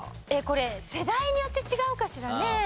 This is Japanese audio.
これ世代によって違うかしらね？